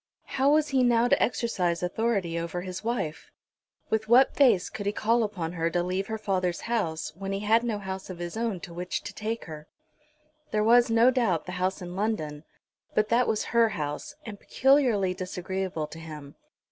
how was he now to exercise authority over his wife? With what face could he call upon her to leave her father's house, when he had no house of his own to which to take her? There was, no doubt, the house in London, but that was her house, and peculiarly disagreeable to him.